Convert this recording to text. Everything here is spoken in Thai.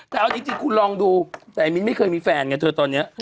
แต่เอาจริงคุณลองดูแต่มิ้นไม่เคยมีแฟนไงเธอตอนนี้